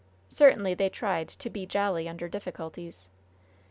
Certainly they tried "to be jolly under difficulties."